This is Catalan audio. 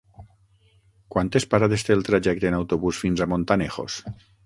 Quantes parades té el trajecte en autobús fins a Montanejos?